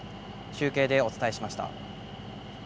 中継でお伝えしました。